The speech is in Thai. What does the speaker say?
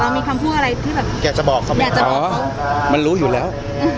เรามีคำพูดอะไรที่แบบแกจะบอกเขาแกจะบอกเขาอ๋อมันรู้อยู่แล้ว